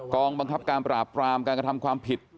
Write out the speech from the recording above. กองบังคับการปราบปรามการกระทำความผิด